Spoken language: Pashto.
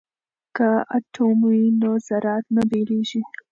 که اټوم وي نو ذرات نه بېلیږي.